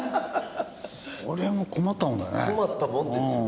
これも困ったもんだね。